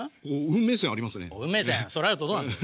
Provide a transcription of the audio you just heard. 運命線ありますね。